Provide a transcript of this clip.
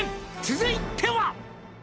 「続いては」